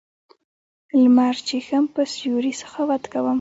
لمر چېښم په سیوري سخاوت کوم